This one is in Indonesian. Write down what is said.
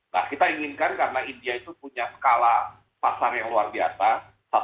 nah kita inginkan karena india itu punya skala pasar yang luar biasa